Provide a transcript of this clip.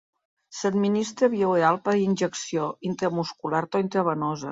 S'administra via oral, per injecció intramuscular o intravenosa.